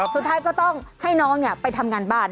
สุดท้ายก็ต้องให้น้องไปทำงานบ้าน